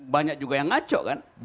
banyak juga yang ngaco kan